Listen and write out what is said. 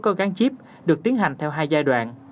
có gắn chip được tiến hành theo hai giai đoạn